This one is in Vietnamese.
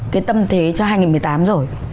cái tâm thế cho hai nghìn một mươi tám rồi